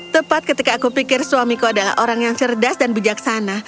tepat ketika aku pikir suamiku adalah orang yang cerdas dan bijaksana